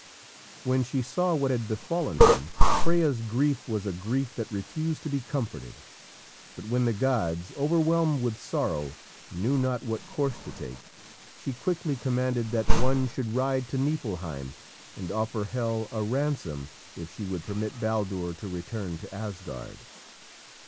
When she saw what had befallen him, Freya's grief was a grief that refused to be comforted, but when the gods, overwhelmed with sorrow, knew not what course to take, she quickly commanded that one should ride to Niflheim and offer Hel a ransom if she would permit Baldur to return to Asgard.